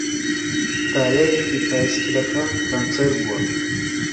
تایەیەکی پایسکلەکەم پەنچەر بووە.